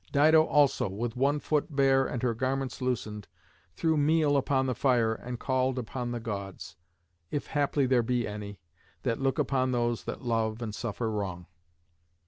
Dido also, with one foot bare and her garments loosened, threw meal upon the fire and called upon the Gods, if haply there be any, that look upon those that love and suffer wrong.